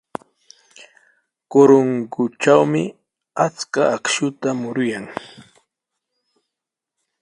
Corongotrawmi achka akshuta muruyan.